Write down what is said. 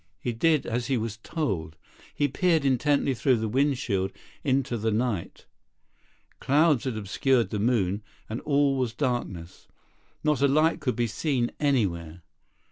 41 Biff did as he was told. He peered intently through the windshield into the night. Clouds had obscured the moon, and all was darkness. Not a light could be seen anywhere.